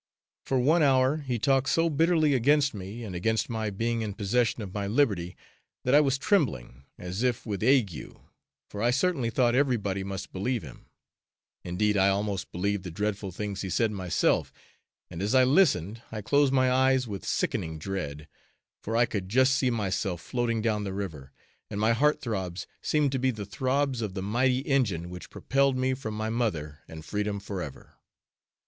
For one hour, he talked so bitterly against me and against my being in possession of my liberty that I was trembling, as if with ague, for I certainly thought everybody must believe him; indeed I almost believed the dreadful things he said, myself, and as I listened I closed my eyes with sickening dread, for I could just see myself floating down the river, and my heart throbs seemed to be the throbs of the mighty engine which propelled me from my mother and freedom forever!